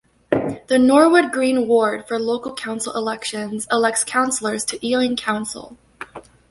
The Norwood Green ward for local council elections elects councillors to Ealing Council.